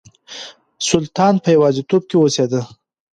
سلطان په يوازيتوب کې اوسېده.